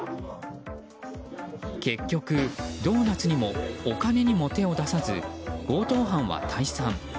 結局、ドーナツにもお金にも手を出さず強盗犯は退散。